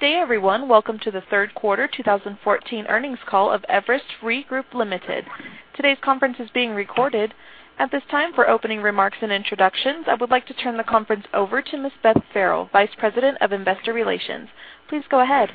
Good day, everyone. Welcome to the third quarter 2014 earnings call of Everest Re Group, Ltd. Today's conference is being recorded. At this time, for opening remarks and introductions, I would like to turn the conference over to Ms. Beth Farrell, Vice President of Investor Relations. Please go ahead.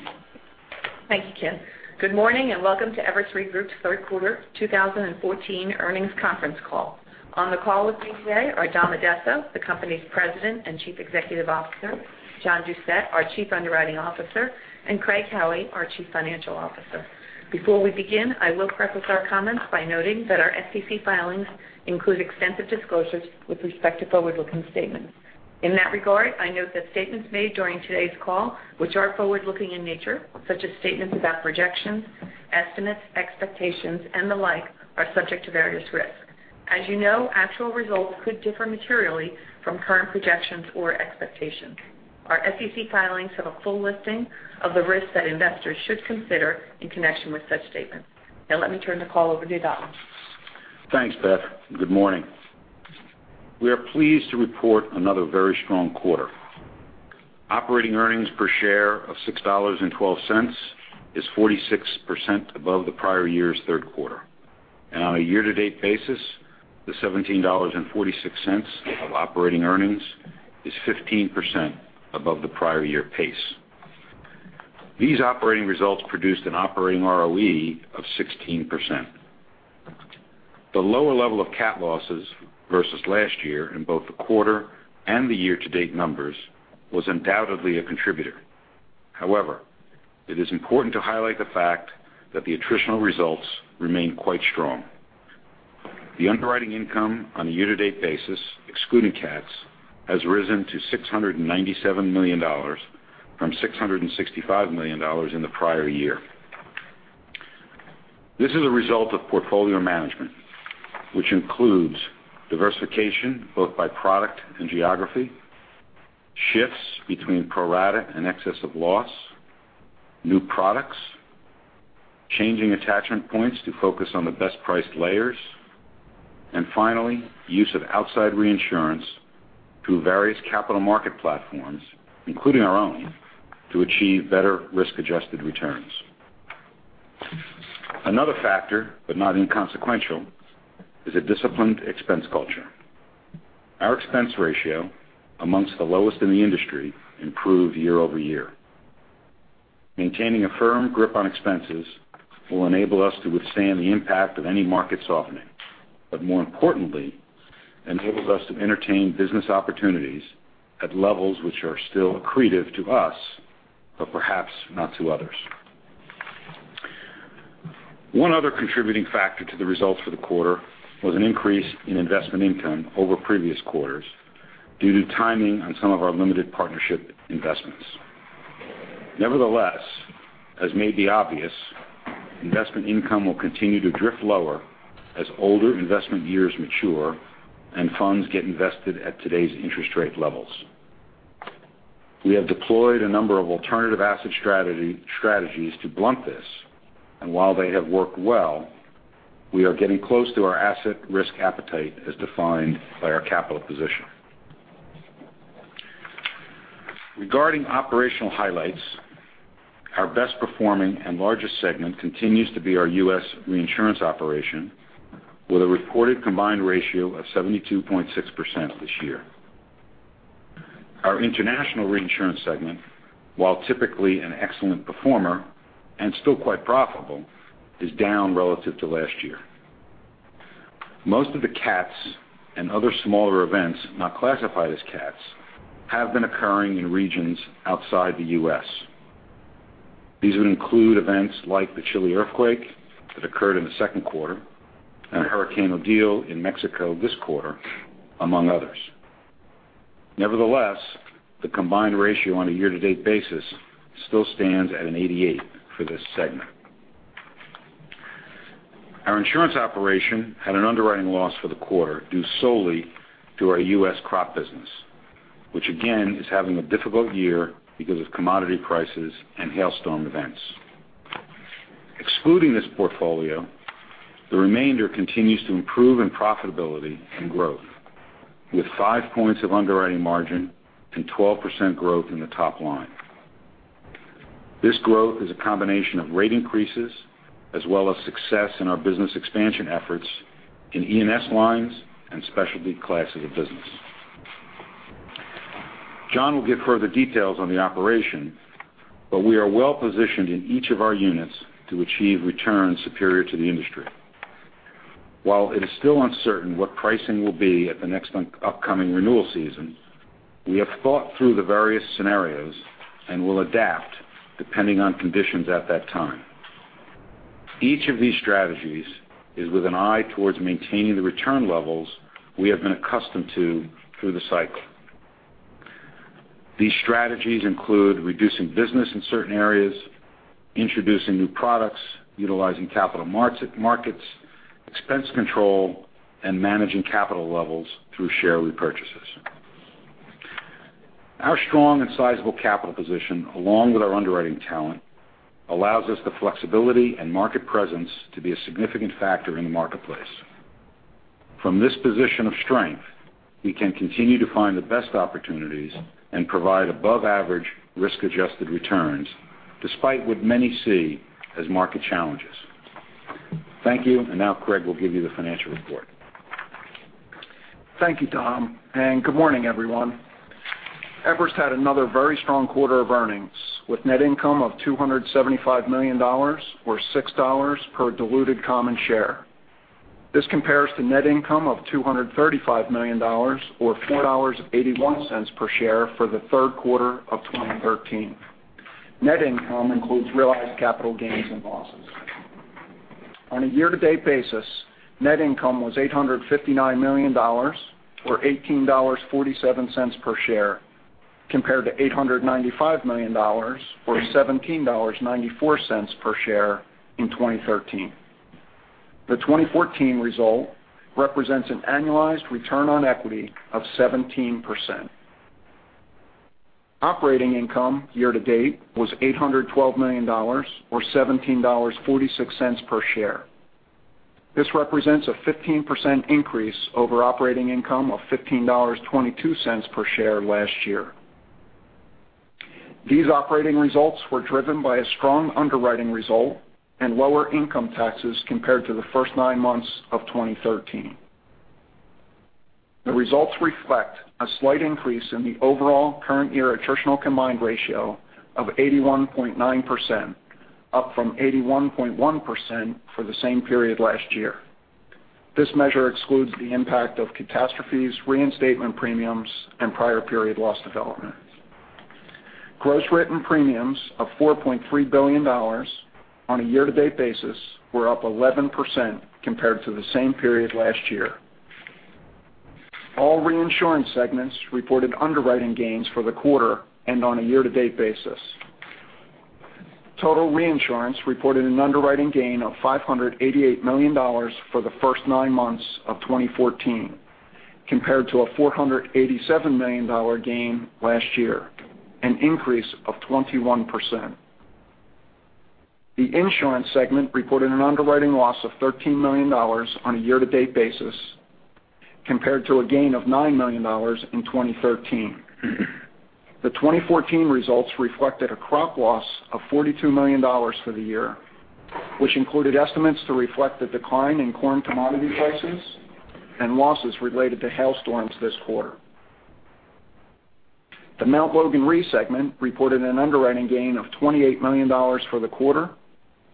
Thank you, Kim. Good morning. Welcome to Everest Re Group's third quarter 2014 earnings conference call. On the call with me today are Dominic Addesso, the company's President and Chief Executive Officer, John Doucette, our Chief Underwriting Officer, and Craig Howie, our Chief Financial Officer. Before we begin, I will preface our comments by noting that our SEC filings include extensive disclosures with respect to forward-looking statements. In that regard, I note that statements made during today's call, which are forward-looking in nature, such as statements about projections, estimates, expectations, and the like, are subject to various risks. As you know, actual results could differ materially from current projections or expectations. Our SEC filings have a full listing of the risks that investors should consider in connection with such statements. Let me turn the call over to Don. Thanks, Beth. Good morning. We are pleased to report another very strong quarter. Operating earnings per share of $6.12 is 46% above the prior year's third quarter. On a year-to-date basis, the $17.46 of operating earnings is 15% above the prior year pace. These operating results produced an operating ROE of 16%. The lower level of cat losses versus last year in both the quarter and the year-to-date numbers was undoubtedly a contributor. It is important to highlight the fact that the attritional results remain quite strong. The underwriting income on a year-to-date basis, excluding cats, has risen to $697 million from $665 million in the prior year. This is a result of portfolio management, which includes diversification, both by product and geography, shifts between pro-rata and excess of loss, new products, changing attachment points to focus on the best-priced layers, and finally, use of outside reinsurance through various capital market platforms, including our own, to achieve better risk-adjusted returns. Another factor, but not inconsequential, is a disciplined expense culture. Our expense ratio, amongst the lowest in the industry, improved year-over-year. Maintaining a firm grip on expenses will enable us to withstand the impact of any market softening, but more importantly, enables us to entertain business opportunities at levels which are still accretive to us, but perhaps not to others. One other contributing factor to the results for the quarter was an increase in investment income over previous quarters due to timing on some of our limited partnership investments. Nevertheless, as may be obvious, investment income will continue to drift lower as older investment years mature and funds get invested at today's interest rate levels. We have deployed a number of alternative asset strategies to blunt this, and while they have worked well, we are getting close to our asset risk appetite as defined by our capital position. Regarding operational highlights, our best performing and largest segment continues to be our U.S. reinsurance operation, with a reported combined ratio of 72.6% this year. Our international reinsurance segment, while typically an excellent performer and still quite profitable, is down relative to last year. Most of the cats and other smaller events not classified as cats have been occurring in regions outside the U.S. These would include events like the Chile earthquake that occurred in the second quarter, and Hurricane Odile in Mexico this quarter, among others. Nevertheless, the combined ratio on a year-to-date basis still stands at an 88 for this segment. Our insurance operation had an underwriting loss for the quarter due solely to our U.S. crop business, which again is having a difficult year because of commodity prices and hailstorm events. Excluding this portfolio, the remainder continues to improve in profitability and growth, with five points of underwriting margin and 12% growth in the top line. This growth is a combination of rate increases as well as success in our business expansion efforts in E&S lines and specialty classes of business. John will give further details on the operation, but we are well positioned in each of our units to achieve returns superior to the industry. While it is still uncertain what pricing will be at the next upcoming renewal season, we have thought through the various scenarios and will adapt depending on conditions at that time. Each of these strategies is with an eye towards maintaining the return levels we have been accustomed to through the cycle. These strategies include reducing business in certain areas, introducing new products, utilizing capital markets, expense control, and managing capital levels through share repurchases. Our strong and sizable capital position, along with our underwriting talent, allows us the flexibility and market presence to be a significant factor in the marketplace. From this position of strength, we can continue to find the best opportunities and provide above-average risk-adjusted returns, despite what many see as market challenges. Thank you. Now Craig will give you the financial report. Thank you, Dom. Good morning, everyone. Everest had another very strong quarter of earnings, with net income of $275 million, or $6 per diluted common share. This compares to net income of $235 million, or $4.81 per share for the third quarter of 2013. Net income includes realized capital gains and losses. On a year-to-date basis, net income was $859 million, or $18.47 per share, compared to $895 million or $17.94 per share in 2013. The 2014 result represents an annualized return on equity of 17%. Operating income year to date was $812 million, or $17.46 per share. This represents a 15% increase over operating income of $15.22 per share last year. These operating results were driven by a strong underwriting result and lower income taxes compared to the first nine months of 2013. The results reflect a slight increase in the overall current year attritional combined ratio of 81.9%, up from 81.1% for the same period last year. This measure excludes the impact of catastrophes, reinstatement premiums, and prior period loss development. Gross written premiums of $4.3 billion on a year-to-date basis were up 11% compared to the same period last year. All reinsurance segments reported underwriting gains for the quarter and on a year-to-date basis. Total reinsurance reported an underwriting gain of $588 million for the first nine months of 2014, compared to a $487 million gain last year, an increase of 21%. The insurance segment reported an underwriting loss of $13 million on a year-to-date basis, compared to a gain of $9 million in 2013. The 2014 results reflected a crop loss of $42 million for the year, which included estimates to reflect the decline in corn commodity prices and losses related to hailstorms this quarter. The Mt. Logan Re segment reported an underwriting gain of $28 million for the quarter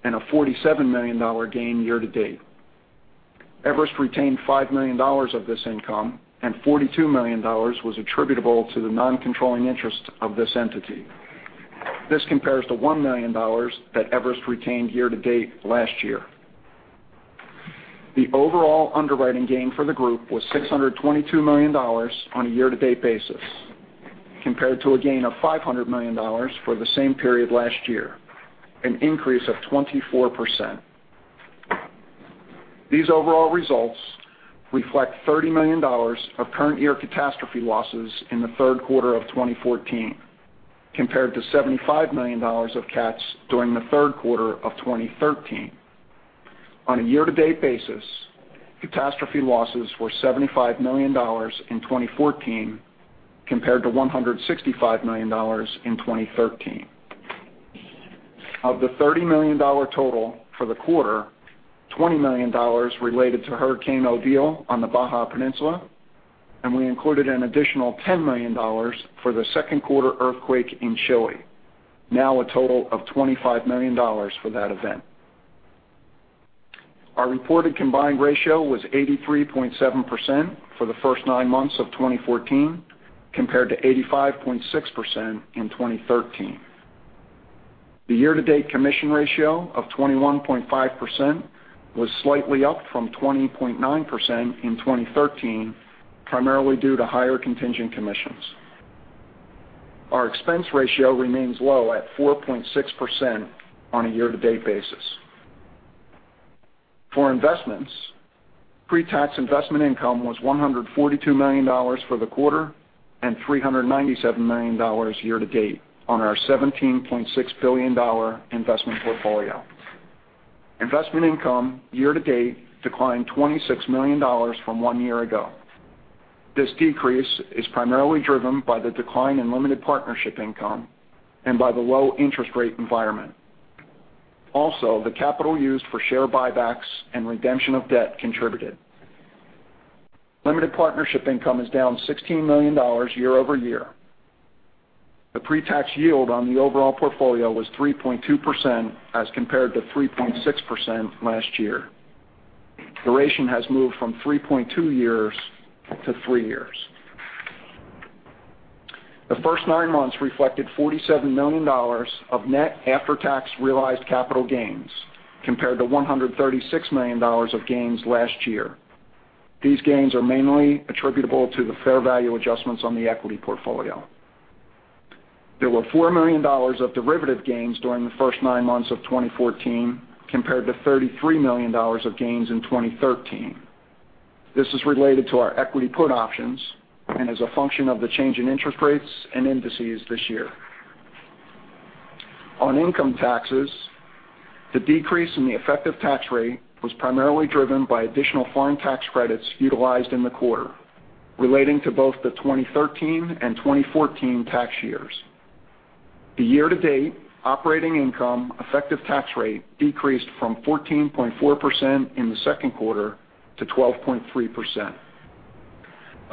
and a $47 million gain year-to-date. Everest retained $5 million of this income and $42 million was attributable to the non-controlling interest of this entity. This compares to $1 million that Everest retained year-to-date last year. The overall underwriting gain for the group was $622 million on a year-to-date basis, compared to a gain of $500 million for the same period last year, an increase of 24%. These overall results reflect $30 million of current year catastrophe losses in the third quarter of 2014, compared to $75 million of cats during the third quarter of 2013. On a year-to-date basis, catastrophe losses were $75 million in 2014 compared to $165 million in 2013. Of the $30 million total for the quarter, $20 million related to Hurricane Odile on the Baja Peninsula, and we included an additional $10 million for the second quarter earthquake in Chile, now a total of $25 million for that event. Our reported combined ratio was 83.7% for the first nine months of 2014, compared to 85.6% in 2013. The year-to-date commission ratio of 21.5% was slightly up from 20.9% in 2013, primarily due to higher contingent commissions. Our expense ratio remains low at 4.6% on a year-to-date basis. For investments, pre-tax investment income was $142 million for the quarter, and $397 million year-to-date on our $17.6 billion investment portfolio. Investment income year-to-date declined $26 million from one year ago. This decrease is primarily driven by the decline in limited partnership income and by the low interest rate environment. Also, the capital used for share buybacks and redemption of debt contributed. Limited partnership income is down $16 million year-over-year. The pre-tax yield on the overall portfolio was 3.2% as compared to 3.6% last year. Duration has moved from 3.2 years to three years. The first nine months reflected $47 million of net after-tax realized capital gains, compared to $136 million of gains last year. These gains are mainly attributable to the fair value adjustments on the equity portfolio. There were $4 million of derivative gains during the first nine months of 2014, compared to $33 million of gains in 2013. This is related to our equity put options and is a function of the change in interest rates and indices this year. On income taxes, the decrease in the effective tax rate was primarily driven by additional foreign tax credits utilized in the quarter relating to both the 2013 and 2014 tax years. The year-to-date operating income effective tax rate decreased from 14.4% in the second quarter to 12.3%.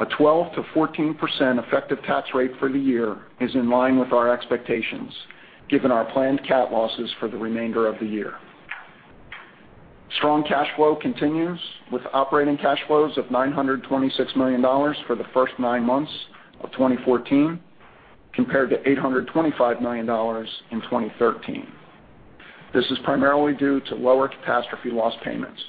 A 12%-14% effective tax rate for the year is in line with our expectations given our planned cat losses for the remainder of the year. Strong cash flow continues, with operating cash flows of $926 million for the first nine months of 2014, compared to $825 million in 2013. This is primarily due to lower catastrophe loss payments.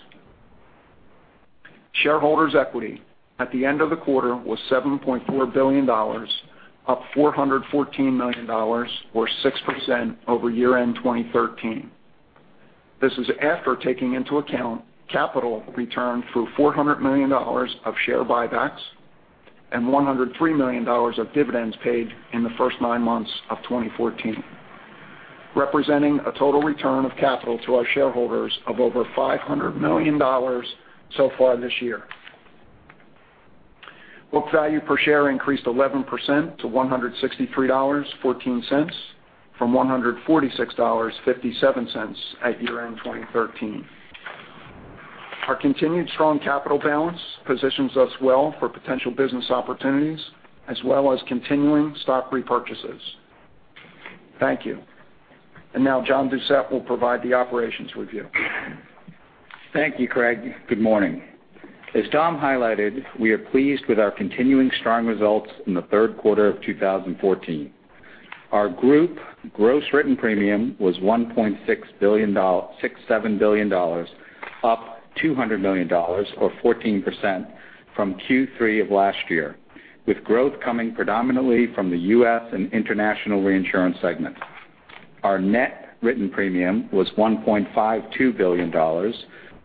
Shareholders' equity at the end of the quarter was $7.4 billion, up $414 million, or 6%, over year-end 2013. This is after taking into account capital returned through $400 million of share buybacks and $103 million of dividends paid in the first nine months of 2014, representing a total return of capital to our shareholders of over $500 million so far this year. Book value per share increased 11% to $163.14 from $146.57 at year-end 2013. Our continued strong capital balance positions us well for potential business opportunities, as well as continuing stock repurchases. Thank you. Now John Doucette will provide the operations review. Thank you, Craig. Good morning. As Dom highlighted, we are pleased with our continuing strong results in the third quarter of 2014. Our group gross written premium was $1.67 billion, up $200 million, or 14%, from Q3 of last year, with growth coming predominantly from the U.S. and international reinsurance segment. Our net written premium was $1.52 billion,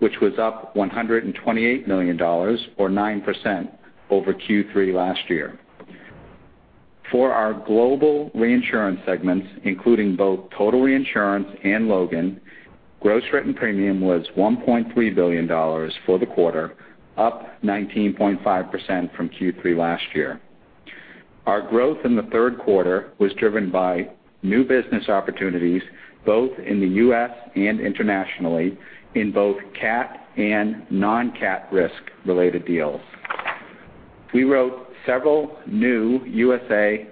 which was up $128 million, or 9%, over Q3 last year. For our global reinsurance segments, including both Total Reinsurance and Logan, gross written premium was $1.3 billion for the quarter, up 19.5% from Q3 last year. Our growth in the third quarter was driven by new business opportunities both in the U.S. and internationally in both cat and non-cat risk related deals. We wrote several new USA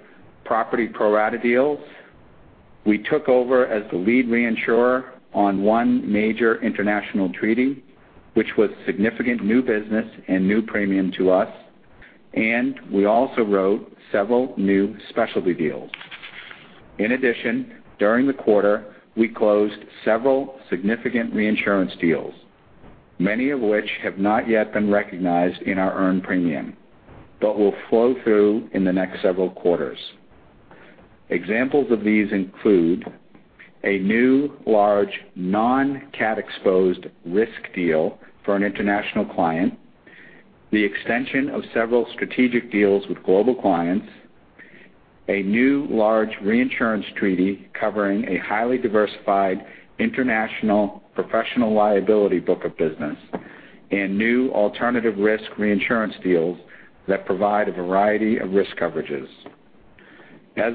property pro-rata deals. We took over as the lead reinsurer on one major international treaty, which was significant new business and new premium to us. We also wrote several new specialty deals. In addition, during the quarter, we closed several significant reinsurance deals, many of which have not yet been recognized in our earned premium but will flow through in the next several quarters. Examples of these include a new, large, non-cat exposed risk deal for an international client, the extension of several strategic deals with global clients, a new large reinsurance treaty covering a highly diversified international professional liability book of business, and new alternative risk reinsurance deals that provide a variety of risk coverages.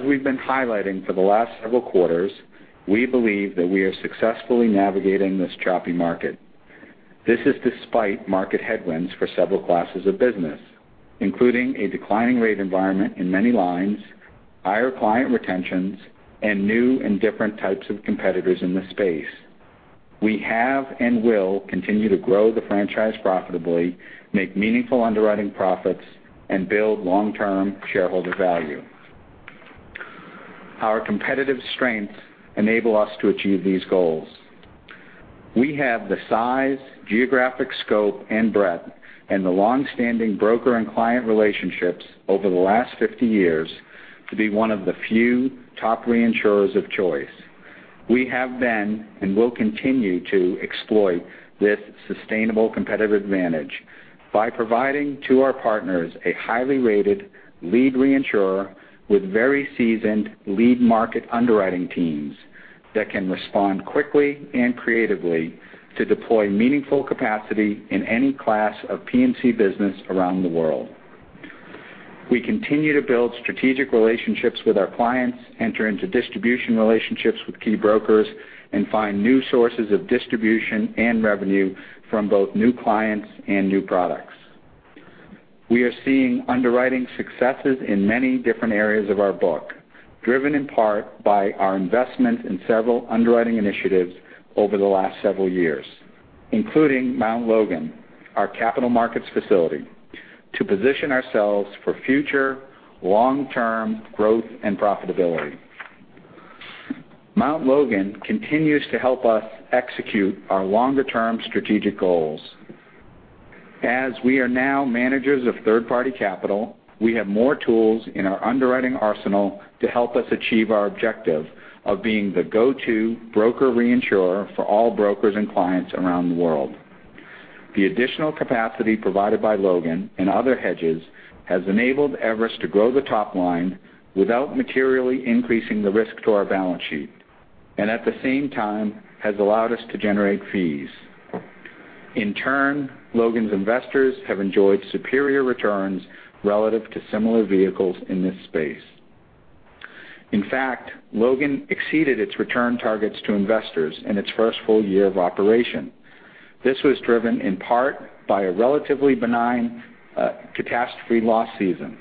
We've been highlighting for the last several quarters, we believe that we are successfully navigating this choppy market. This is despite market headwinds for several classes of business, including a declining rate environment in many lines, higher client retentions, and new and different types of competitors in the space. We have and will continue to grow the franchise profitably, make meaningful underwriting profits, and build long-term shareholder value. Our competitive strengths enable us to achieve these goals. We have the size, geographic scope and breadth, and the longstanding broker and client relationships over the last 50 years to be one of the few top reinsurers of choice. We have been and will continue to exploit this sustainable competitive advantage by providing to our partners a highly rated lead reinsurer with very seasoned lead market underwriting teams that can respond quickly and creatively to deploy meaningful capacity in any class of P&C business around the world. We continue to build strategic relationships with our clients, enter into distribution relationships with key brokers, and find new sources of distribution and revenue from both new clients and new products. We are seeing underwriting successes in many different areas of our book, driven in part by our investment in several underwriting initiatives over the last several years, including Mount Logan, our capital markets facility, to position ourselves for future long-term growth and profitability. Mount Logan continues to help us execute our longer-term strategic goals. As we are now managers of third-party capital, we have more tools in our underwriting arsenal to help us achieve our objective of being the go-to broker reinsurer for all brokers and clients around the world. The additional capacity provided by Logan and other hedges has enabled Everest to grow the top line without materially increasing the risk to our balance sheet, and at the same time has allowed us to generate fees. In turn, Logan's investors have enjoyed superior returns relative to similar vehicles in this space. In fact, Logan exceeded its return targets to investors in its first full year of operation. This was driven in part by a relatively benign catastrophe loss season.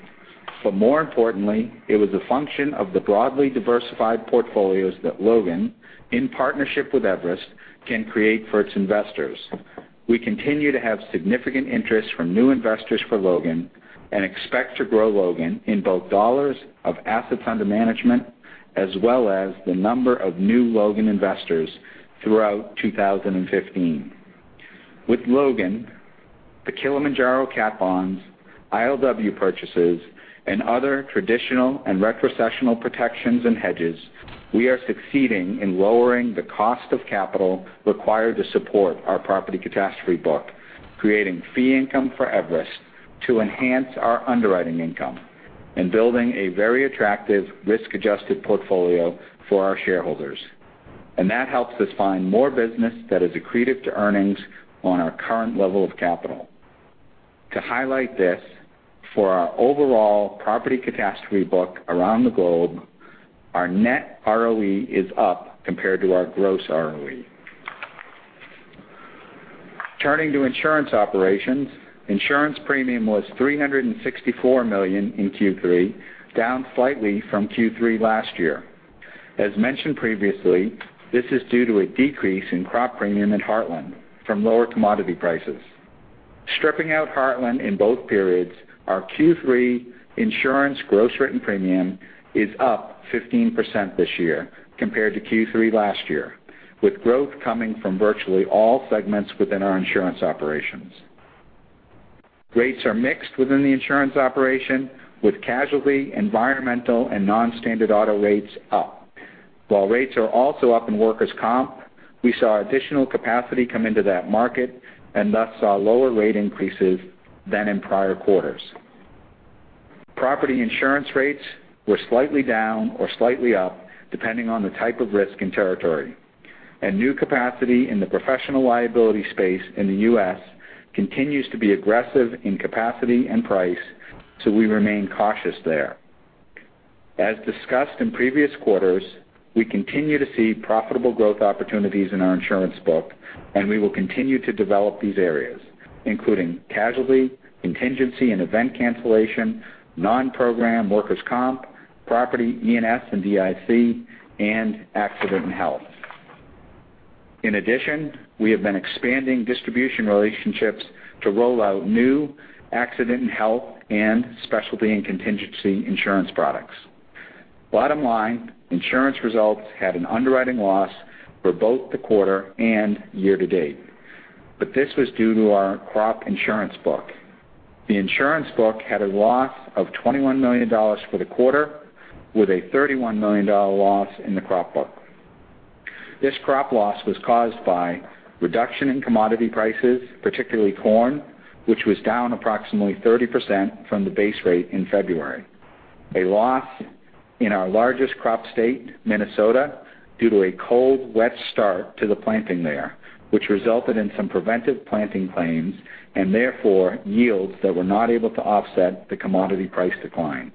But more importantly, it was a function of the broadly diversified portfolios that Logan, in partnership with Everest, can create for its investors. We continue to have significant interest from new investors for Logan and expect to grow Logan in both dollars of assets under management as well as the number of new Logan investors throughout 2015. With Logan, the Kilimanjaro cat bonds, ILW purchases, and other traditional and retrocessional protections and hedges, we are succeeding in lowering the cost of capital required to support our property catastrophe book, creating fee income for Everest to enhance our underwriting income and building a very attractive risk-adjusted portfolio for our shareholders. And that helps us find more business that is accretive to earnings on our current level of capital. To highlight this, for our overall property catastrophe book around the globe, our net ROE is up compared to our gross ROE. Turning to insurance operations, insurance premium was $364 million in Q3, down slightly from Q3 last year. As mentioned previously, this is due to a decrease in crop premium at Heartland from lower commodity prices. Stripping out Heartland in both periods, our Q3 insurance gross written premium is up 15% this year compared to Q3 last year, with growth coming from virtually all segments within our insurance operations. Rates are mixed within the insurance operation, with casualty, environmental, and non-standard auto rates up. While rates are also up in workers' comp, we saw additional capacity come into that market and thus saw lower rate increases than in prior quarters. Property insurance rates were slightly down or slightly up, depending on the type of risk and territory, and new capacity in the professional liability space in the U.S. continues to be aggressive in capacity and price. We remain cautious there. As discussed in previous quarters, we continue to see profitable growth opportunities in our insurance book, and we will continue to develop these areas, including casualty, contingency and event cancellation, non-program workers' comp, property, E&S and DIC, and accident and health. In addition, we have been expanding distribution relationships to roll out new accident and health and specialty and contingency insurance products. Bottom line, insurance results had an underwriting loss for both the quarter and year to date. This was due to our crop insurance book. The insurance book had a loss of $21 million for the quarter, with a $31 million loss in the crop book. This crop loss was caused by a reduction in commodity prices, particularly corn, which was down approximately 30% from the base rate in February. A loss in our largest crop state, Minnesota, due to a cold, wet start to the planting there, which resulted in some preventive planting claims and therefore yields that were not able to offset the commodity price decline,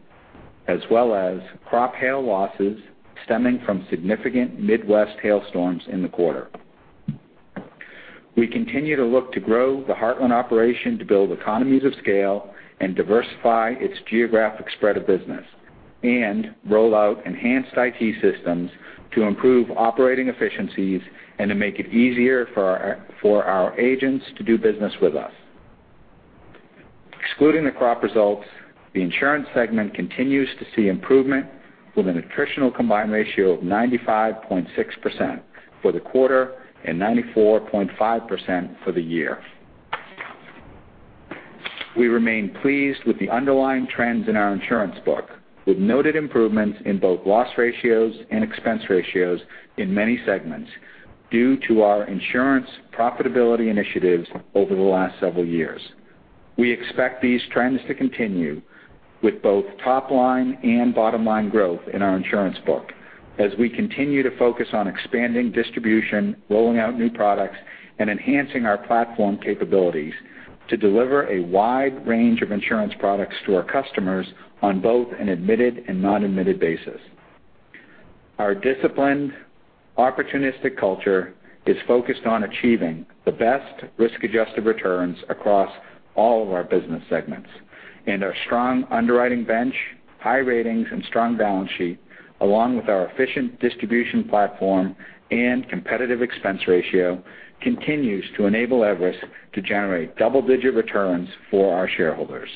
as well as crop hail losses stemming from significant Midwest hailstorms in the quarter. We continue to look to grow the Heartland operation to build economies of scale and diversify its geographic spread of business and roll out enhanced IT systems to improve operating efficiencies and to make it easier for our agents to do business with us. Excluding the crop results, the insurance segment continues to see improvement with an attritional combined ratio of 95.6% for the quarter and 94.5% for the year. We remain pleased with the underlying trends in our insurance book, with noted improvements in both loss ratios and expense ratios in many segments due to our insurance profitability initiatives over the last several years. We expect these trends to continue with both top-line and bottom-line growth in our insurance book as we continue to focus on expanding distribution, rolling out new products, and enhancing our platform capabilities to deliver a wide range of insurance products to our customers on both an admitted and non-admitted basis. Our disciplined, opportunistic culture is focused on achieving the best risk-adjusted returns across all of our business segments. Our strong underwriting bench, high ratings, and strong balance sheet, along with our efficient distribution platform and competitive expense ratio, continues to enable Everest to generate double-digit returns for our shareholders.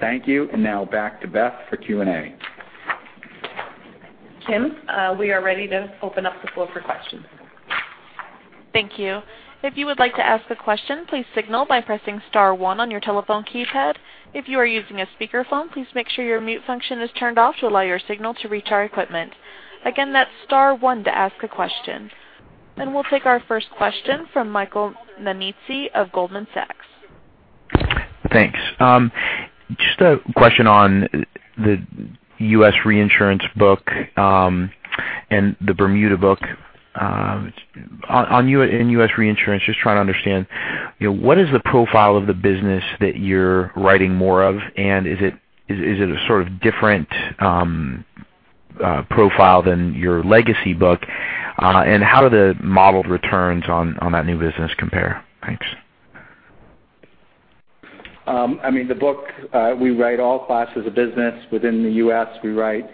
Thank you. Now back to Beth for Q&A. Kim, we are ready to open up the floor for questions. Thank you. If you would like to ask a question, please signal by pressing star one on your telephone keypad. If you are using a speakerphone, please make sure your mute function is turned off to allow your signal to reach our equipment. Again, that's star one to ask a question. We'll take our first question from Michael Nannizzi of Goldman Sachs. Thanks. Just a question on the U.S. reinsurance book and the Bermuda book. In U.S. reinsurance, just trying to understand, what is the profile of the business that you're writing more of, and is it a sort of different profile than your legacy book? How do the modeled returns on that new business compare? Thanks. The book, we write all classes of business within the U.S. We write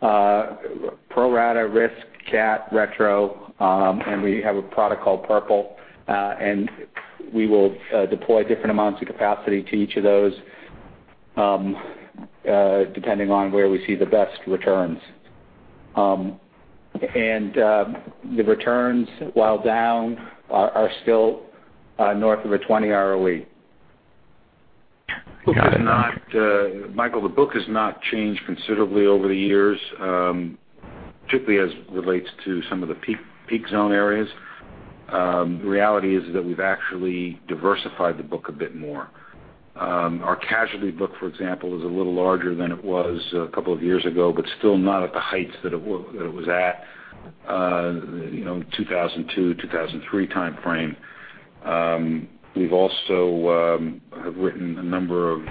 pro-rata risk, CAT, retro, and we have a product called PRPL. We will deploy different amounts of capacity to each of those, depending on where we see the best returns. The returns, while down, are still north of a 20 ROE. Michael, the book has not changed considerably over the years, particularly as it relates to some of the peak zone areas. The reality is that we've actually diversified the book a bit more. Our casualty book, for example, is a little larger than it was a couple of years ago, but still not at the heights that it was at in 2002 to 2003 timeframe. We've also written a number of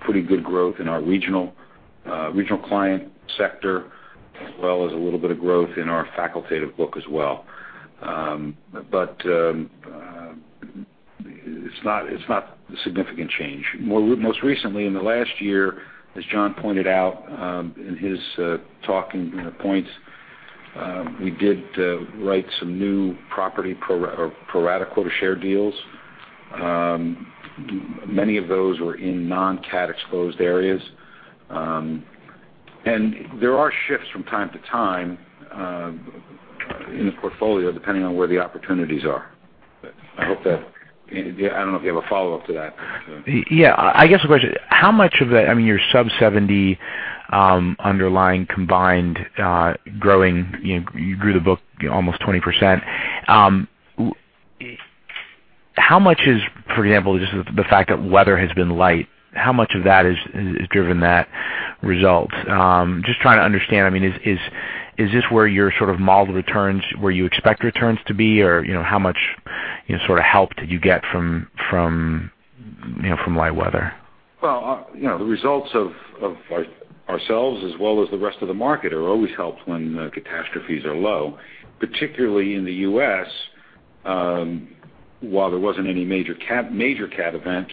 pretty good growth in our regional client sector, as well as a little bit of growth in our facultative book as well. It's not a significant change. Most recently, in the last year, as John pointed out in his talking points, we did write some new property pro-rata quota share deals. Many of those were in non-cat exposed areas. There are shifts from time to time in the portfolio, depending on where the opportunities are. I don't know if you have a follow-up to that. Yeah. I guess the question, how much of the, I mean, your sub 70 underlying combined growing, you grew the book almost 20%. How much is, for example, just the fact that weather has been light, how much of that has driven that result? Just trying to understand, is this where your sort of modeled returns, where you expect returns to be? How much sort of help did you get from light weather? Well, the results of ourselves as well as the rest of the market are always helped when catastrophes are low, particularly in the U.S., while there wasn't any major cat event,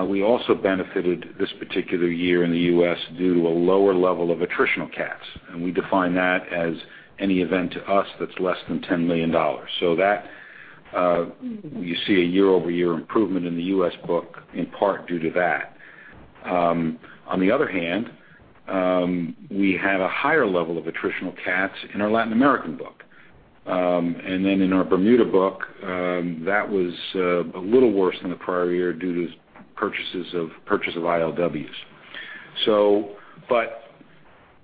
we also benefited this particular year in the U.S. due to a lower level of attritional cats, and we define that as any event to us that's less than $10 million. That, you see a year-over-year improvement in the U.S. book, in part due to that. On the other hand, we had a higher level of attritional cats in our Latin American book. In our Bermuda book, that was a little worse than the prior year due to purchase of ILWs.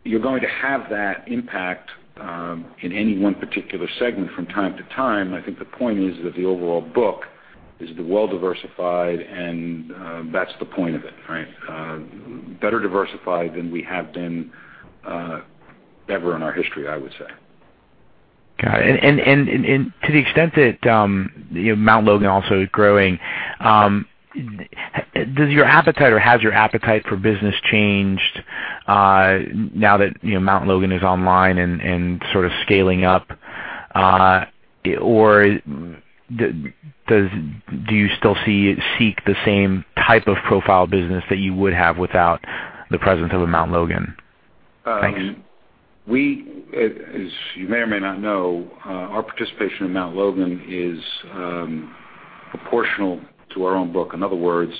You're going to have that impact in any one particular segment from time to time. I think the point is that the overall book is well diversified and that's the point of it, right? Better diversified than we have been ever in our history, I would say. Got it. To the extent that Mt. Logan also is growing, does your appetite or has your appetite for business changed now that Mt. Logan is online and sort of scaling up? Do you still seek the same type of profile business that you would have without the presence of a Mt. Logan? Thanks. As you may or may not know, our participation in Mt. Logan is proportional to our own book. In other words,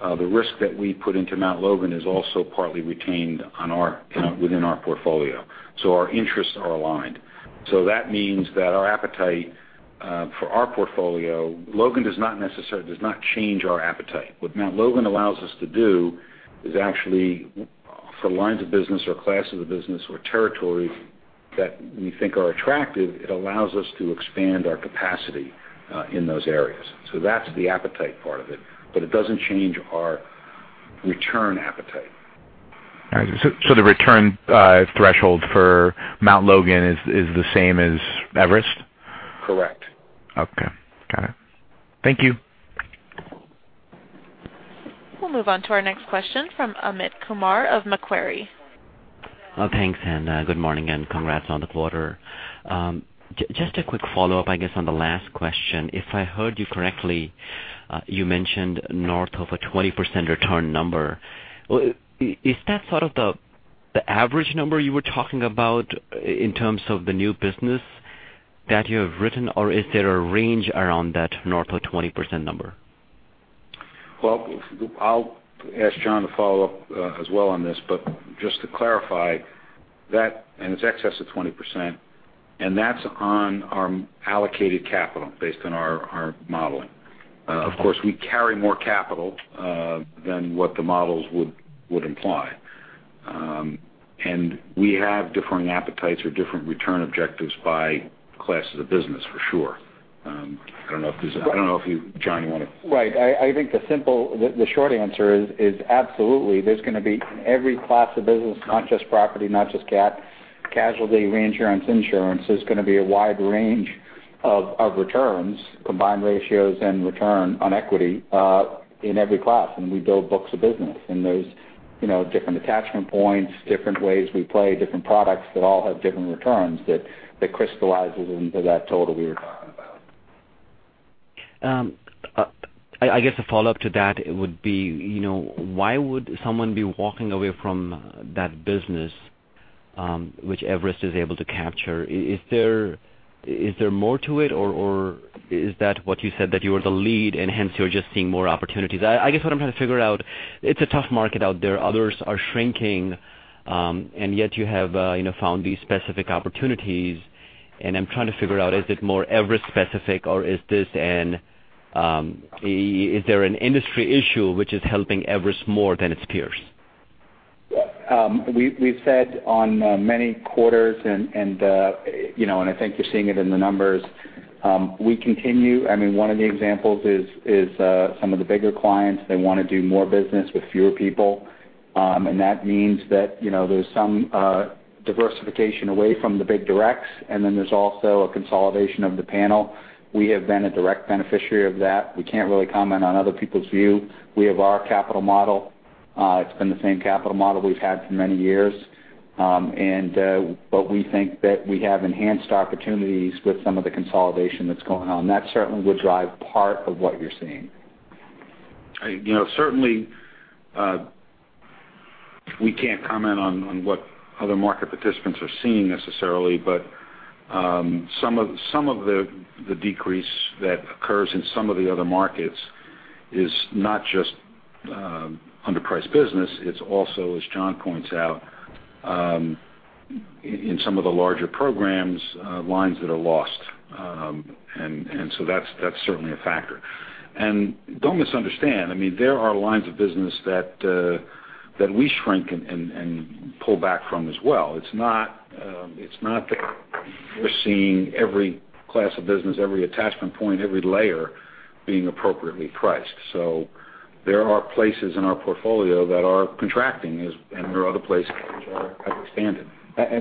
the risk that we put into Mt. Logan is also partly retained within our portfolio. Our interests are aligned. That means that our appetite for our portfolio, Logan does not change our appetite. What Mt. Logan allows us to do is actually for lines of business or classes of business or territory that we think are attractive, it allows us to expand our capacity in those areas. That's the appetite part of it, but it doesn't change our return appetite. All right. The return threshold for Mt. Logan is the same as Everest? Correct. Okay. Got it. Thank you. We'll move on to our next question from Amit Kumar of Macquarie. Thanks. Good morning, and congrats on the quarter. Just a quick follow-up, I guess, on the last question. If I heard you correctly, you mentioned north of a 20% return number. Is that sort of the average number you were talking about in terms of the new business that you have written, or is there a range around that north of 20% number? Well, I'll ask John to follow up as well on this, but just to clarify, and it's excess of 20%, and that's on our allocated capital based on our model. Of course, we carry more capital than what the models would imply. We have differing appetites or different return objectives by classes of business for sure. I don't know if you, John. Right. I think the short answer is, absolutely. There's going to be in every class of business, not just property, not just cat, casualty, reinsurance, insurance. There's going to be a wide range of returns, combined ratios, and return on equity, in every class. We build books of business, and there's different attachment points, different ways we play, different products that all have different returns that crystallizes into that total we were talking about. I guess a follow-up to that it would be, why would someone be walking away from that business, which Everest is able to capture? Is there more to it, or is that what you said, that you are the lead and hence you're just seeing more opportunities? I guess what I'm trying to figure out, it's a tough market out there. Others are shrinking, and yet you have found these specific opportunities. I'm trying to figure out, is it more Everest specific or is there an industry issue which is helping Everest more than its peers? We've said on many quarters, I think you're seeing it in the numbers, we continue. One of the examples is some of the bigger clients, they want to do more business with fewer people. That means that there's some diversification away from the big directs, and then there's also a consolidation of the panel. We have been a direct beneficiary of that. We can't really comment on other people's view. We have our capital model. It's been the same capital model we've had for many years. We think that we have enhanced opportunities with some of the consolidation that's going on. That certainly would drive part of what you're seeing. Certainly, we can't comment on what other market participants are seeing necessarily, but some of the decrease that occurs in some of the other markets is not just underpriced business, it's also, as John points out, in some of the larger programs, lines that are lost. That's certainly a factor. Don't misunderstand, there are lines of business that we shrink and pull back from as well. It's not that we're seeing every class of business, every attachment point, every layer being appropriately priced. There are places in our portfolio that are contracting and there are other places which are expanding.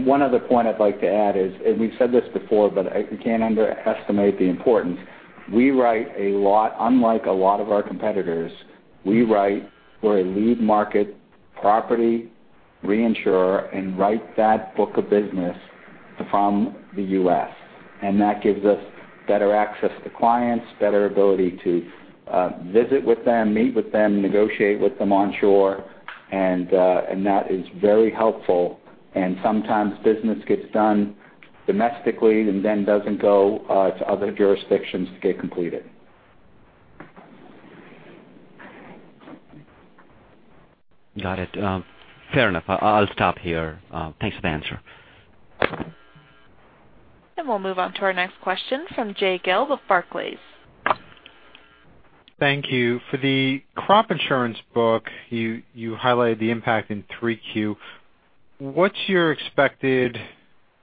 One other point I'd like to add is, we've said this before, but you can't underestimate the importance. Unlike a lot of our competitors, we're a lead market property reinsurer and write that book of business from the U.S. That gives us better access to clients, better ability to visit with them, meet with them, negotiate with them onshore, and that is very helpful. Sometimes business gets done domestically and then doesn't go to other jurisdictions to get completed. Got it. Fair enough. I'll stop here. Thanks for the answer. We'll move on to our next question from Jay Gelb with Barclays. Thank you. For the crop insurance book, you highlighted the impact in Q3. What's your expected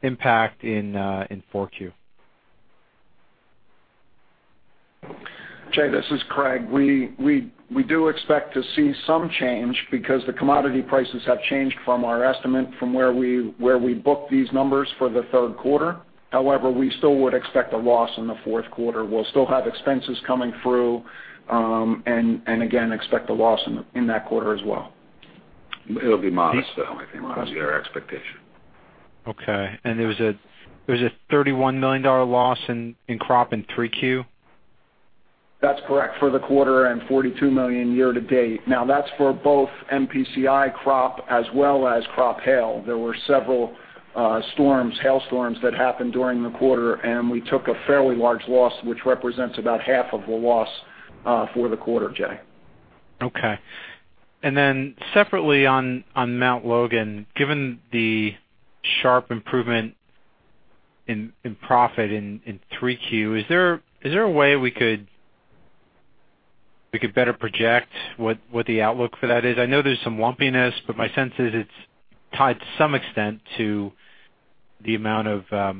impact in Q4? Jay, this is Craig. We do expect to see some change because the commodity prices have changed from our estimate from where we booked these numbers for the third quarter. However, we still would expect a loss in the fourth quarter. We'll still have expenses coming through, again, expect a loss in that quarter as well. It'll be modest, though, I think modest is our expectation. Okay. There was a $31 million loss in crop in 3Q? That's correct. For the quarter and $42 million year to date. That's for both MPCI crop as well as crop hail. There were several storms, hail storms that happened during the quarter, and we took a fairly large loss, which represents about half of the loss for the quarter, Jay. Okay. Separately on Mt. Logan, given the sharp improvement in profit in 3Q, is there a way we could better project what the outlook for that is? I know there's some lumpiness, but my sense is it's tied to some extent to the amount of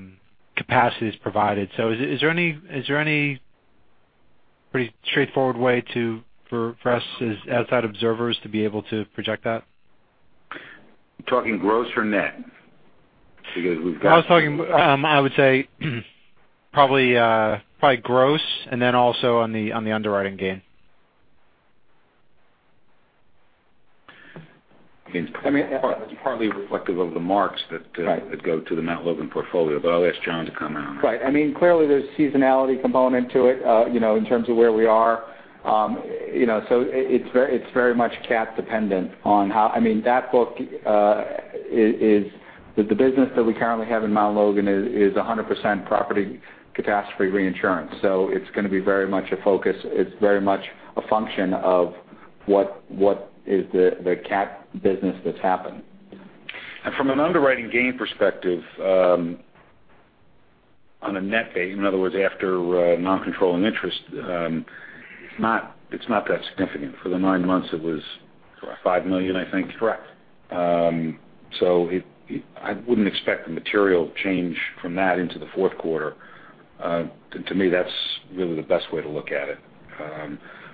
capacities provided. Is there any pretty straightforward way for us as outside observers to be able to project that? You talking gross or net? I would say probably gross and then also on the underwriting gain. I mean. Right that go to the Mt. Logan portfolio, but I'll ask John to comment on that. Right. Clearly there's seasonality component to it, in terms of where we are. It's very much cat dependent. That book, the business that we currently have in Mt. Logan is 100% property catastrophe reinsurance. It's going to be very much a focus. It's very much a function of what is the cat business that's happened. From an underwriting gain perspective. On a net basis, in other words, after non-controlling interest, it's not that significant. For the nine months, it was. Correct. $5 million, I think. Correct. I wouldn't expect a material change from that into the fourth quarter. To me, that's really the best way to look at it.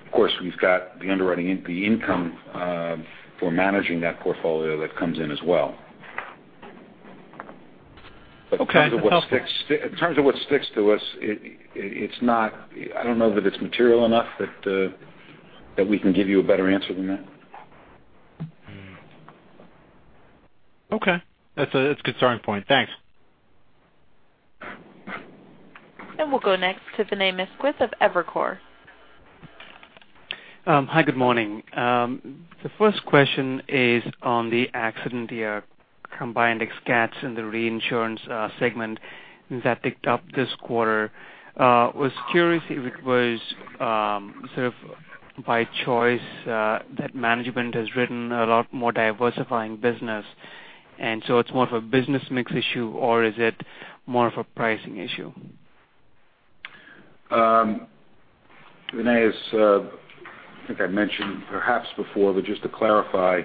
Of course, we've got the underwriting, the income for managing that portfolio that comes in as well. Okay. In terms of what sticks to us, I don't know that it's material enough that we can give you a better answer than that. Okay. That's a good starting point. Thanks. We'll go next to Vinay Misquith of Evercore. Hi, good morning. The first question is on the accident year combined ex-cat in the reinsurance segment that ticked up this quarter. I was curious if it was sort of by choice that management has written a lot more diversifying business, it's more of a business mix issue, or is it more of a pricing issue? Vinay, I think I mentioned perhaps before, just to clarify,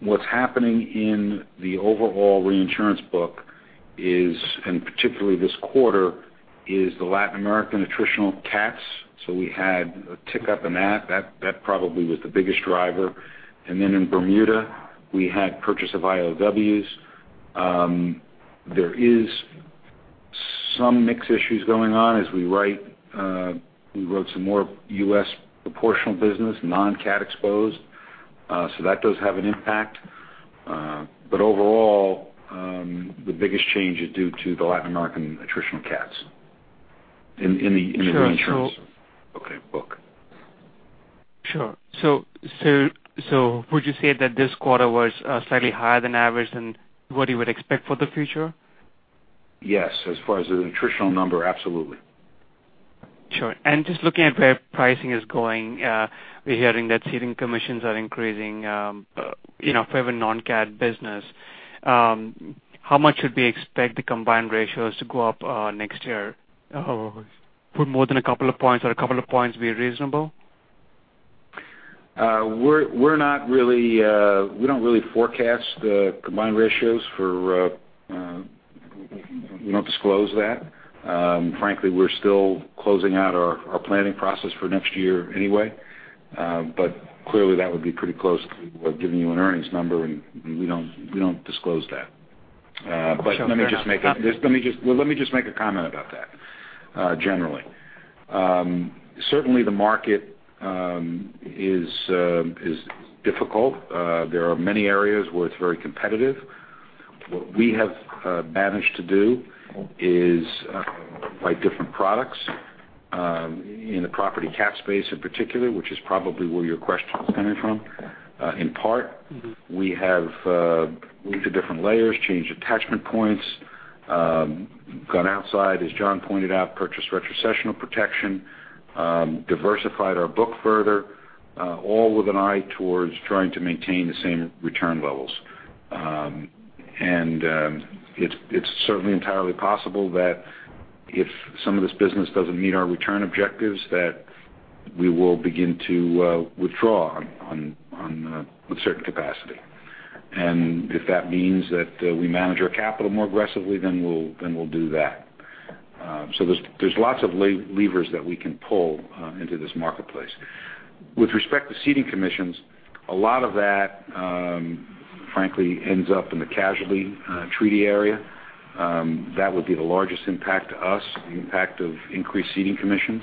what's happening in the overall reinsurance book is, particularly this quarter, is the Latin American attritional cats. We had a tick up in that. That probably was the biggest driver. In Bermuda, we had purchase of ILWs. There is some mix issues going on as we wrote some more U.S. proportional business, non-cat exposed. That does have an impact. Overall, the biggest change is due to the Latin American attritional cats in the reinsurance book. Sure. Would you say that this quarter was slightly higher than average than what you would expect for the future? Yes. As far as the attritional number, absolutely. Sure. Just looking at where pricing is going, we are hearing that ceding commissions are increasing for the non-cat business. How much should we expect the combined ratios to go up next year? For more than a couple of points or a couple of points be reasonable? We do not really forecast the combined ratios. We do not disclose that. Frankly, we are still closing out our planning process for next year anyway. Clearly, that would be pretty close to giving you an earnings number, and we do not disclose that. Let me just make a comment about that generally. Certainly, the market is difficult. There are many areas where it is very competitive. What we have managed to do is write different products in the property cat space in particular, which is probably where your question is coming from. In part, we have moved to different layers, changed attachment points, gone outside, as John pointed out, purchased retrocessional protection, diversified our book further, all with an eye towards trying to maintain the same return levels. It is certainly entirely possible that if some of this business does not meet our return objectives, that we will begin to withdraw with certain capacity. If that means that we manage our capital more aggressively, then we will do that. There is lots of levers that we can pull into this marketplace. With respect to ceding commissions, a lot of that, frankly, ends up in the casualty treaty area. That would be the largest impact to us, the impact of increased ceding commissions.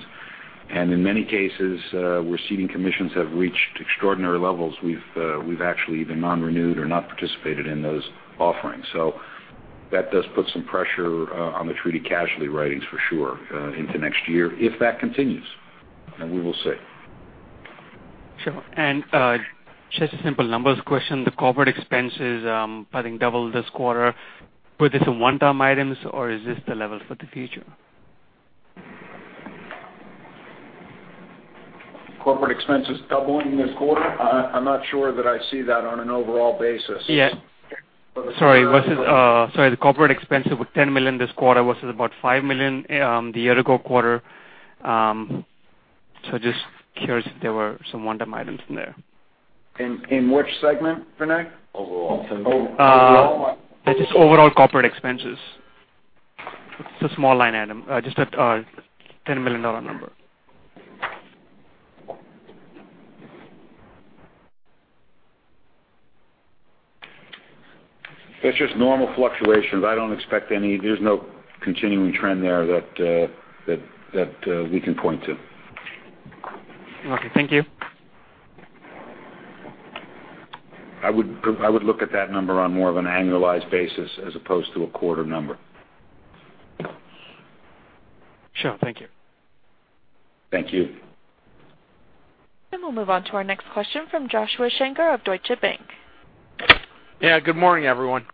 In many cases, where ceding commissions have reached extraordinary levels, we have actually either non-renewed or not participated in those offerings. That does put some pressure on the treaty casualty writings for sure into next year, if that continues, and we will see. Sure. Just a simple numbers question. The corporate expenses, I think, doubled this quarter. Were these some one-time items, or is this the level for the future? Corporate expenses doubling this quarter? I'm not sure that I see that on an overall basis. Yeah. Sorry. The corporate expenses were $10 million this quarter versus about $5 million the year ago quarter. Just curious if there were some one-time items in there. In which segment, Vinay? Overall. Overall. Just overall corporate expenses. It's a small line item, just that $10 million number. It's just normal fluctuations. There's no continuing trend there that we can point to. Okay. Thank you. I would look at that number on more of an annualized basis as opposed to a quarter number. Sure. Thank you. Thank you. We'll move on to our next question from Joshua Shanker of Deutsche Bank. Yeah. Good morning, everyone.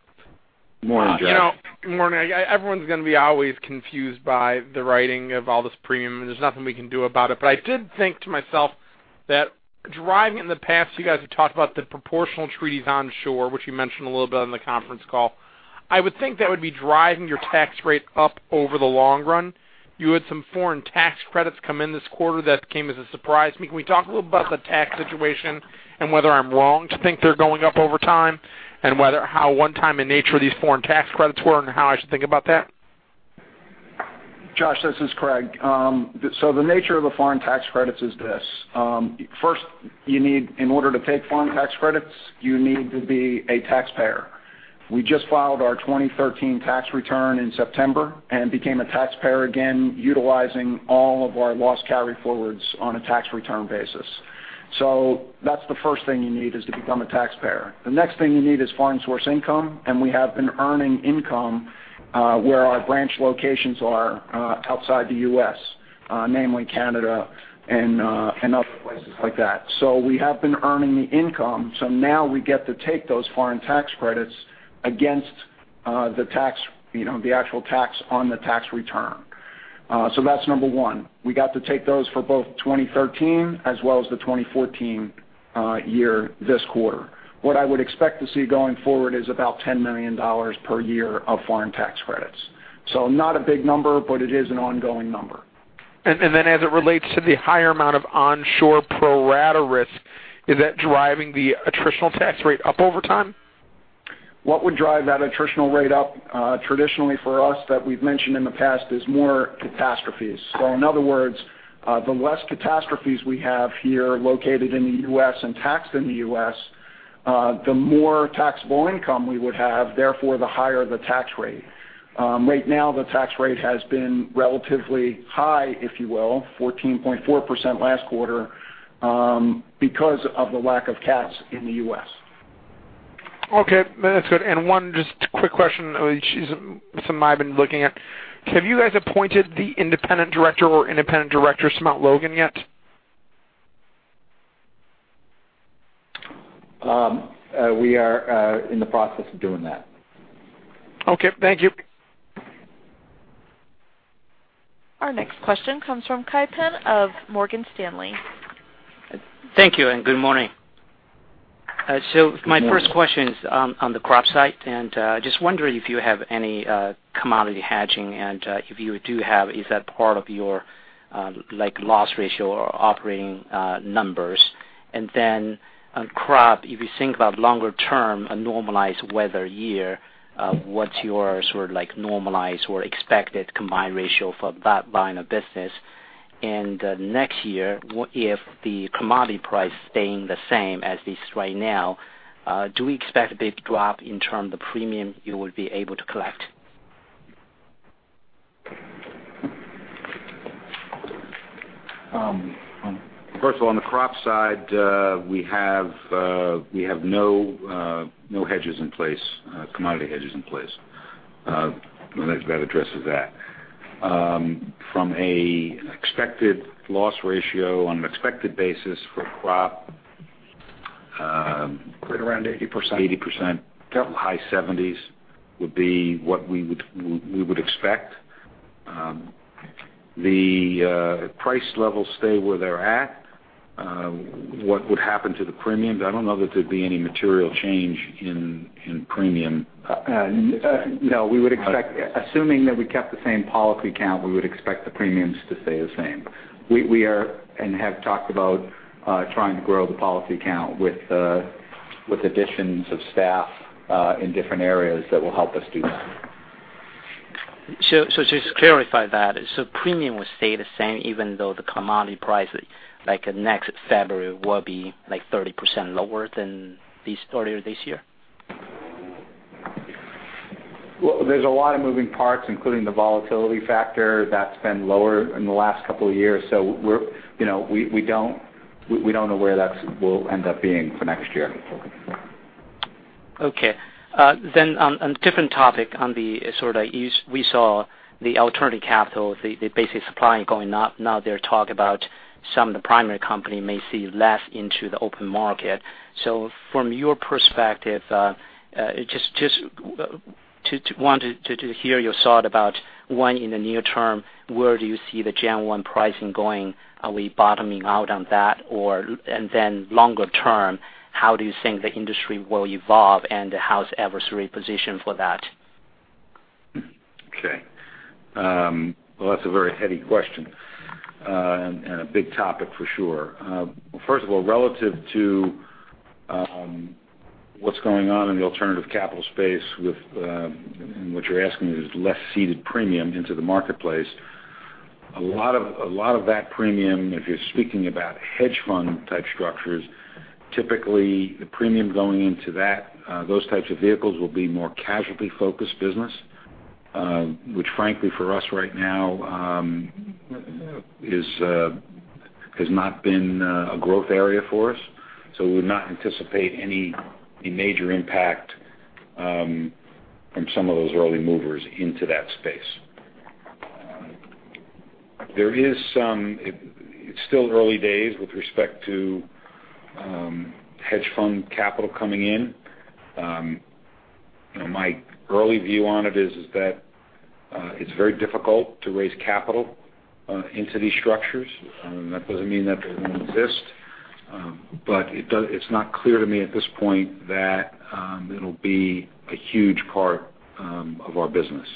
Good morning, Josh. Good morning. Everyone's going to be always confused by the writing of all this premium, and there's nothing we can do about it. I did think to myself that driving in the past, you guys have talked about the proportional treaties onshore, which you mentioned a little bit on the conference call. I would think that would be driving your tax rate up over the long run. You had some foreign tax credits come in this quarter that came as a surprise to me. Can we talk a little about the tax situation and whether I'm wrong to think they're going up over time, and how one-time in nature these foreign tax credits were, and how I should think about that? Josh, this is Craig. The nature of the foreign tax credits is this. First, in order to take foreign tax credits, you need to be a taxpayer. We just filed our 2013 tax return in September and became a taxpayer again utilizing all of our loss carryforwards on a tax return basis. That's the first thing you need is to become a taxpayer. The next thing you need is foreign source income, and we have been earning income, where our branch locations are outside the U.S., namely Canada and other places like that. We have been earning the income, so now we get to take those foreign tax credits against the actual tax on the tax return. That's number one. We got to take those for both 2013 as well as the 2014 year, this quarter. What I would expect to see going forward is about $10 million per year of foreign tax credits. Not a big number, but it is an ongoing number. As it relates to the higher amount of onshore pro-rata risk, is that driving the attritional tax rate up over time? What would drive that attritional rate up, traditionally for us, that we've mentioned in the past, is more catastrophes. In other words, the less catastrophes we have here located in the U.S. and taxed in the U.S., the more taxable income we would have, therefore, the higher the tax rate. Right now, the tax rate has been relatively high, if you will, 14.4% last quarter, because of the lack of cats in the U.S. Okay. That's good. One just quick question, which is something I've been looking at. Have you guys appointed the independent director or independent directors from Mt. Logan yet? We are in the process of doing that. Okay. Thank you. Our next question comes from Kai Pan of Morgan Stanley. Thank you, and good morning. Good morning. My first question is on the crop side. Just wondering if you have any commodity hedging, and if you do have, is that part of your loss ratio or operating numbers? On crop, if you think about longer term, a normalized weather year, what's your sort of normalized or expected combined ratio for that line of business? Next year, if the commodity price staying the same as it is right now, do we expect a big drop in term the premium you will be able to collect? First of all, on the crop side, we have no hedges in place, commodity hedges in place. That addresses that. From an expected loss ratio on an expected basis for crop- Right around 80%. 80%. Yep. High 70s would be what we would expect. The price levels stay where they're at. What would happen to the premiums? I don't know that there'd be any material change in premium. We would expect, assuming that we kept the same policy count, we would expect the premiums to stay the same. We are and have talked about trying to grow the policy count with additions of staff in different areas that will help us do that. Just to clarify that, premium would stay the same even though the commodity price, like next February, will be 30% lower than the start of this year? Well, there's a lot of moving parts, including the volatility factor that's been lower in the last couple of years. We don't know where that will end up being for next year. Okay. On different topic on the sort of we saw the alternative capital, the basic supply going up. There are talk about some of the primary company may see less into the open market. From your perspective, just wanted to hear your thought about when in the near term, where do you see the January 1 pricing going? Are we bottoming out on that? Longer term, how do you think the industry will evolve, and how is Everest repositioned for that? Okay. Well, that's a very heady question, and a big topic for sure. First of all, relative to what's going on in the alternative capital space, and what you're asking is less ceded premium into the marketplace. A lot of that premium, if you're speaking about hedge fund type structures, typically the premium going into those types of vehicles will be more casualty focused business, which frankly for us right now, has not been a growth area for us. We would not anticipate any major impact from some of those early movers into that space. It's still early days with respect to hedge fund capital coming in. My early view on it is that it's very difficult to raise capital into these structures. That doesn't mean that they don't exist. It's not clear to me at this point that it'll be a huge part of our business,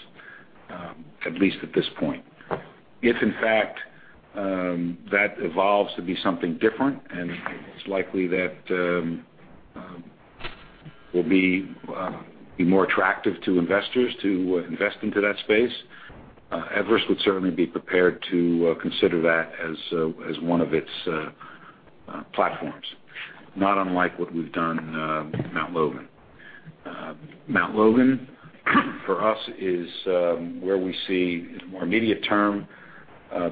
at least at this point. If, in fact, that evolves to be something different, and it's likely that will be more attractive to investors to invest into that space, Everest would certainly be prepared to consider that as one of its platforms, not unlike what we've done with Mt. Logan. Mt. Logan, for us, is where we see more immediate term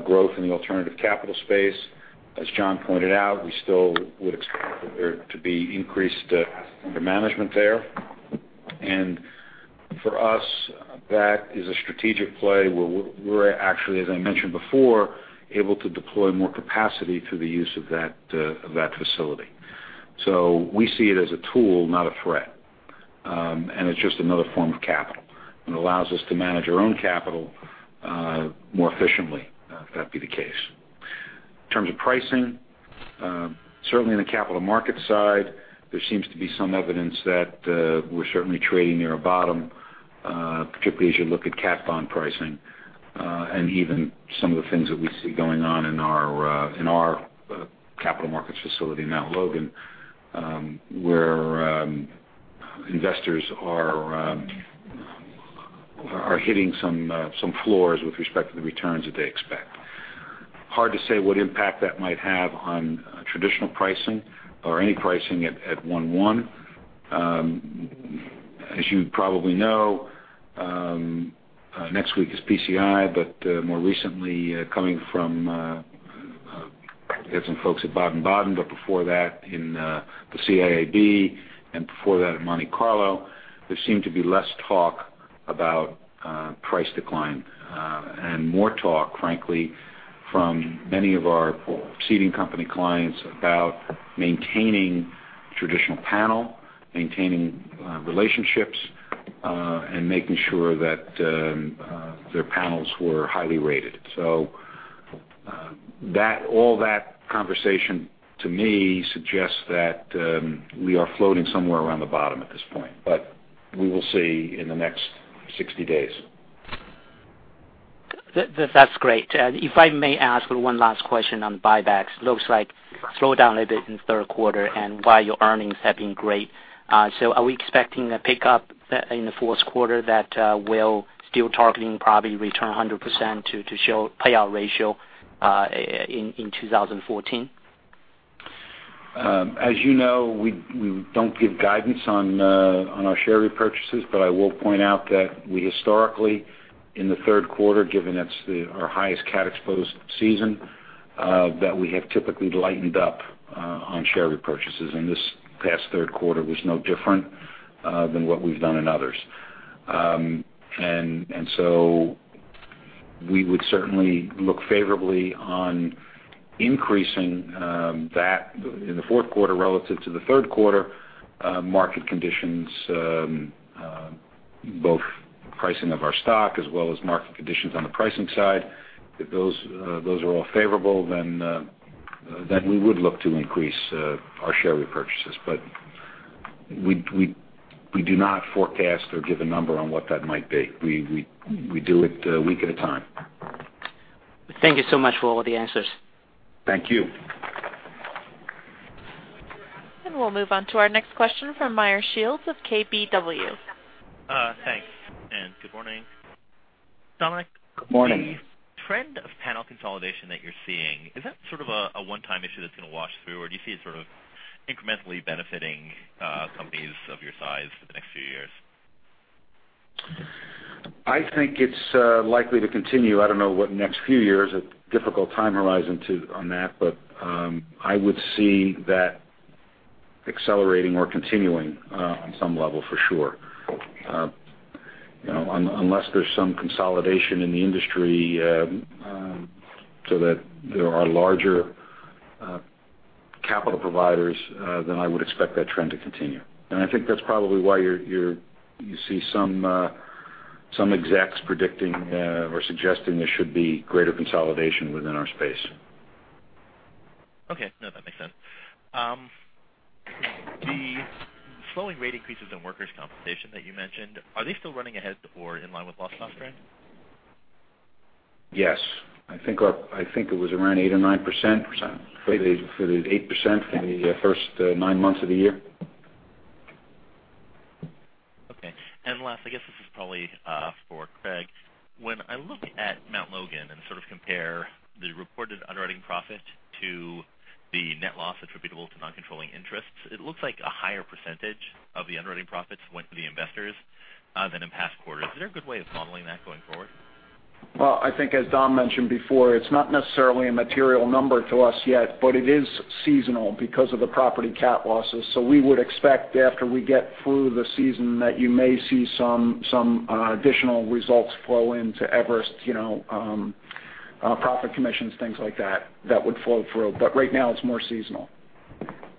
growth in the alternative capital space. As John pointed out, we still would expect there to be increased assets under management there. For us, that is a strategic play where we're actually, as I mentioned before, able to deploy more capacity through the use of that facility. We see it as a tool, not a threat. It's just another form of capital. It allows us to manage our own capital more efficiently, if that be the case. In terms of pricing, certainly on the capital markets side, there seems to be some evidence that we're certainly trading near a bottom, particularly as you look at cat bond pricing, and even some of the things that we see going on in our capital markets facility in Mt. Logan, where investors are hitting some floors with respect to the returns that they expect. Hard to say what impact that might have on traditional pricing or any pricing at one-one. As you probably know, next week is PCI. More recently, we had some folks at Baden-Baden, before that in the CIAB and before that at Monte Carlo, there seemed to be less talk about price decline and more talk, frankly, from many of our ceding company clients about maintaining traditional panel, maintaining relationships, and making sure that their panels were highly rated. All that conversation, to me, suggests that we are floating somewhere around the bottom at this point. We will see in the next 60 days. That's great. If I may ask one last question on buybacks. Looks like slowdown a bit in the third quarter and while your earnings have been great. Are we expecting a pickup in the fourth quarter that will still targeting probably return 100% to show payout ratio in 2014? As you know, we don't give guidance on our share repurchases. I will point out that we historically, in the third quarter, given that's our highest cat-exposed season, that we have typically lightened up on share repurchases, and this past third quarter was no different than what we've done in others. We would certainly look favorably on increasing that in the fourth quarter relative to the third quarter. Market conditions, both pricing of our stock as well as market conditions on the pricing side. If those are all favorable, we would look to increase our share repurchases. We do not forecast or give a number on what that might be. We do it a week at a time. Thank you so much for all the answers. Thank you. We'll move on to our next question from Meyer Shields of KBW. Thanks. Good morning. Dominic? Morning. The trend of panel consolidation that you're seeing, is that sort of a one-time issue that's going to wash through, or do you see it sort of incrementally benefiting companies of your size for the next few years? I think it's likely to continue. I don't know what next few years, a difficult time horizon on that. I would see that accelerating or continuing on some level for sure. Unless there's some consolidation in the industry so that there are larger capital providers, then I would expect that trend to continue. I think that's probably why you see some execs predicting or suggesting there should be greater consolidation within our space. Okay. No, that makes sense. The slowing rate increases in workers' compensation that you mentioned, are they still running ahead or in line with soft trend? Yes. I think it was around 8% or 9%, 8% for the first nine months of the year. Okay. Last, I guess this is probably for Craig. When I look at Mt. Logan and sort of compare the reported underwriting profit to the net loss attributable to non-controlling interests, it looks like a higher % of the underwriting profits went to the investors than in past quarters. Is there a good way of modeling that going forward? I think as Don mentioned before, it's not necessarily a material number to us yet, but it is seasonal because of the property cat losses. We would expect after we get through the season that you may see some additional results flow into Everest, profit commissions, things like that would flow through. Right now, it's more seasonal.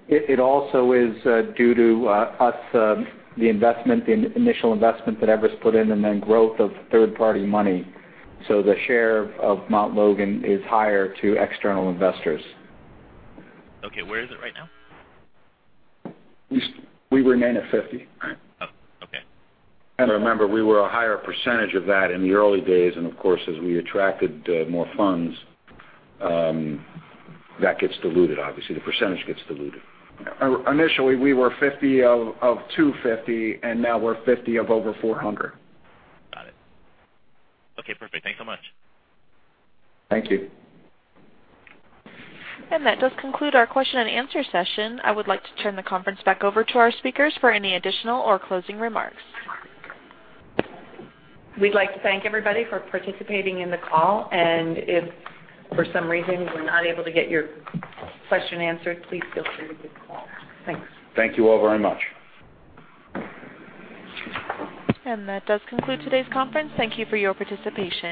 It also is due to us, the initial investment that Everest put in, and then growth of third-party money. The share of Mt. Logan is higher to external investors. Okay. Where is it right now? We remain at 50. All right. Okay. Remember, we were a higher percentage of that in the early days. Of course, as we attracted more funds, that gets diluted, obviously. The percentage gets diluted. Initially, we were 50 of 250, and now we're 50 of over 400. Got it. Okay, perfect. Thanks so much. Thank you. That does conclude our question and answer session. I would like to turn the conference back over to our speakers for any additional or closing remarks. We'd like to thank everybody for participating in the call. If for some reason we're not able to get your question answered, please feel free to give us a call. Thanks. Thank you all very much. That does conclude today's conference. Thank you for your participation.